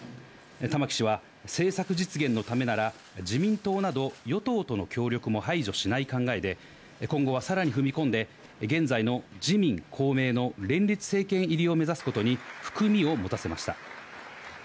玉木氏は、政策実現のためなら、自民党など与党との協力も排除しない考えで、今後はさらに踏み込んで、現在の自民、公明の連立政権入りを目指すことに含みを持たせまし